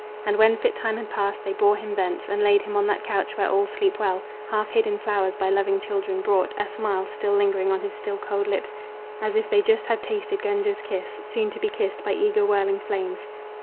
And when fit time had passed they bore him thence And laid him on that couch where all sleep well, Half hid in flowers by loving children brought, A smile still lingering on his still, cold lips, As if they just had tasted Gunga's kiss, Soon to be kissed by eager whirling flames.